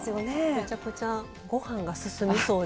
めちゃくちゃご飯が進みそうで。